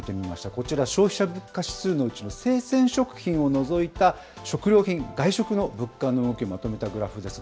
こちら、消費者物価指数のうちの生鮮食品を除いた食料品、外食の物価の動きをまとめたグラフです。